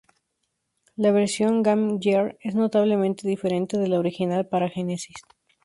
La versión Game Gear es notablemente diferente de la original para Genesis.